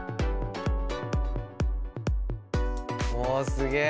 おすげえ！